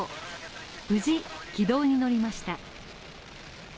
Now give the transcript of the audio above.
無事軌道に乗りました。